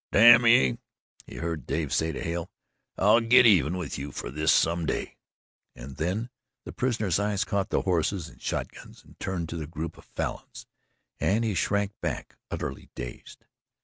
"Damn ye," he heard Dave say to Hale. "I'll get even with you fer this some day" and then the prisoner's eyes caught the horses and shotguns and turned to the group of Falins and he shrank back utterly dazed.